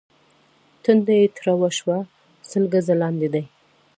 ټنډه يې تروه شوه: سل ګزه لاندې دي.